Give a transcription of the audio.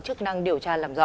chức năng điều tra làm rõ